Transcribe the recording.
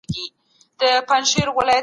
حق سته.